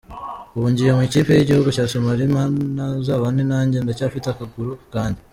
Ubu ngiye mu ikipe y’igihugu cya Somali Mana uzabane nanjye ndacyafite akaguru kanjye .